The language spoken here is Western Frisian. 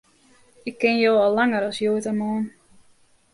Ik ken jo al langer as hjoed en moarn.